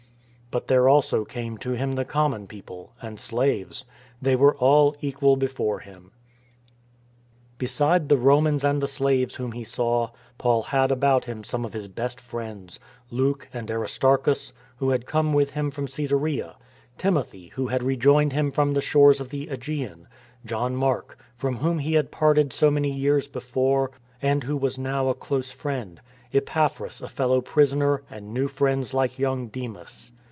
But there also came to him the common people — and slaves. They were all equal before him. Beside the Romans and the slaves whom he saw, Paul had about him some of his best friends — Luke and Aristarchus, who had come with him from Csesarea; Timothy who had rejoined him from the shores of the ^gean; John Mark, from whom he had parted so many years before, and who was now a "MIGHTIER THAN THE SWORD" 353 close friend; Epaphras, a fellow prisoner, and new friends like young Demas.